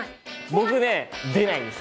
僕ね出ないんです。